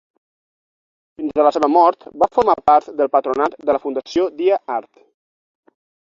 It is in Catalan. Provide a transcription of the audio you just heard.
Fins a la seva mort, va formar part del patronat de la Fundació Dia Art.